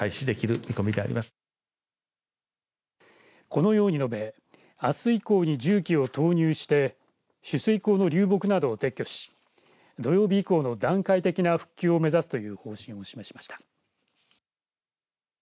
このように述べあす以降に重機を投入して取水口の流木などを撤去し土曜日以降の段階的な復旧を目指すという方針を示しました。